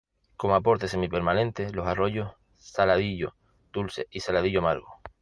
Como aportes semipermanentes: los arroyos Saladillo Dulce y Saladillo Amargo.